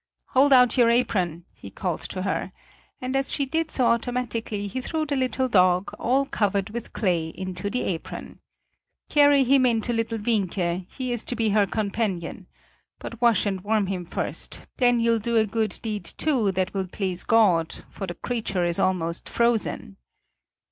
"Hold out your apron!" he called to her, and as she did so automatically, he threw the little dog, all covered with clay, into the apron. "Carry him in to little Wienke; he is to be her companion! But wash and warm him first; then you'll do a good deed, too, that will please God, for the creature is almost frozen!"